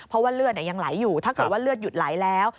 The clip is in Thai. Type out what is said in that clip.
เพราะว่าเลือดยังไหลอยู่ถ้าเกิดว่าเลือดหยุดไหลแล้ว